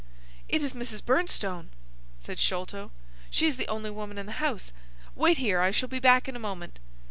"It is Mrs. Bernstone," said Sholto. "She is the only woman in the house. Wait here. I shall be back in a moment."